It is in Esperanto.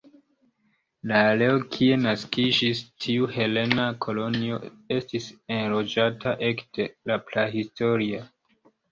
La areo kie naskiĝis tiu helena kolonio estis enloĝata ekde la prahistorio.